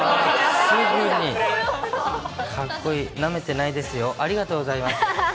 かっこいい、なめてないですよ、ありがとうございます。